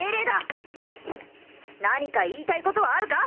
何か言いたい事はあるか？